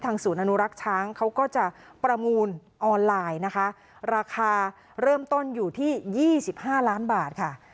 ศูนย์อนุรักษ์ช้างเขาก็จะประมูลออนไลน์นะคะราคาเริ่มต้นอยู่ที่๒๕ล้านบาทค่ะ